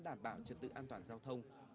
đảm bảo trật tự an toàn giao thông